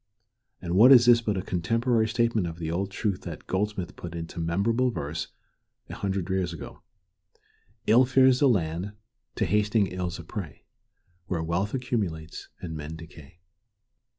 And what is this but a contemporary statement of the old truth which Goldsmith put into memorable verse a hundred years ago, "Ill fares the land, to hastening ills a prey, Where wealth accumulates and men decay."